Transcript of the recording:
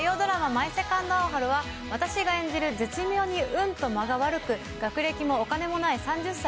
「マイ・セカンド・アオハル」は絶妙に運と間が悪く、学歴もお金もない、３０歳